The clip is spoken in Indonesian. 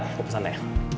aku pesan aja